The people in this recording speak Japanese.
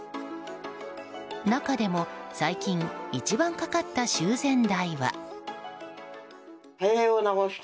中でも最近一番かかった修繕代は。